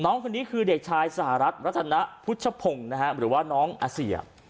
น้องคนนี้คือเด็กชายสหรัฐรัตนพุทธพงศ์นะฮะหรือว่าน้องอาเซีย